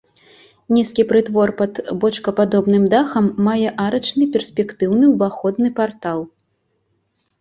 Нізкі прытвор пад бочкападобным дахам мае арачны перспектыўны ўваходны партал.